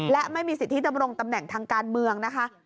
และไม่มีสิทธิดำรงตำแหน่งทางการเมืองนะคะ